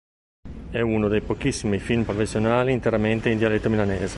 È uno dei pochissimi film professionali interamente in dialetto milanese.